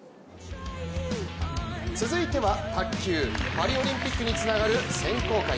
続いては卓球、パリオリンピックにつながる選考会。